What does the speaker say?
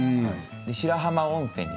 白浜温泉